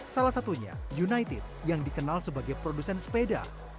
salah satunya united yang dikenal sebagai produsen sepeda